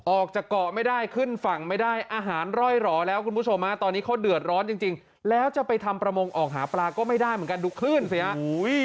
ออกจากเกาะไม่ได้ขึ้นฝั่งไม่ได้อาหารร่อยหล่อแล้วคุณผู้ชมตอนนี้เขาเดือดร้อนจริงแล้วจะไปทำประมงออกหาปลาก็ไม่ได้เหมือนกันดูคลื่นสิฮะ